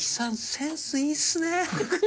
センスいいっすね！